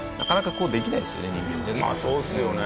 まあそうですよね。